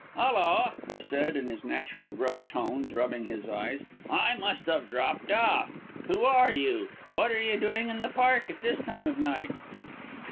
"Hulloa!" he said, in his natural gruff tones, rubbing his eyes. "I must have 'dropped off.' Who are you? What are you doing in the Park at this time of night?"